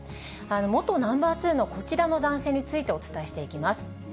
元ナンバー２のこちらの男性についてお伝えしていきます。